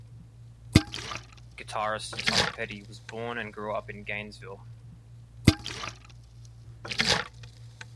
Guitarist Tom Petty was born, and grew up, in Gainesville.